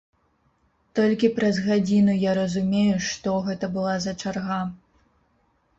Толькі праз гадзіну я разумею, што гэта была за чарга.